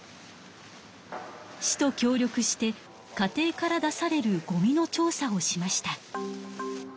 市と協力して家庭から出されるゴミの調査をしました。